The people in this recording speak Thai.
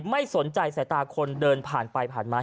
ไม่สนใจสายตาคนเดินผ่านไปผ่านมา